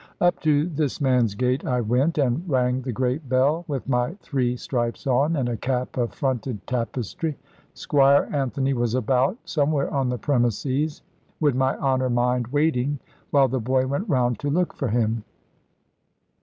Up to this man's gate I went, and rang the great bell, with my three stripes on, and a cap of fronted tapestry. Squire Anthony was about, somewhere on the premises, would my honour mind waiting while the boy went round to look for him?